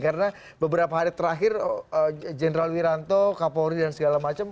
karena beberapa hari terakhir general wiranto kapolri dan segala macam